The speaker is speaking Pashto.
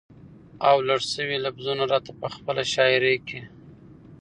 او لړ شوي لفظونه راته په خپله شاعرۍ کې